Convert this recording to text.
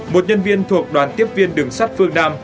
một nhân viên thuộc đoàn tiếp viên đường sắt phương nam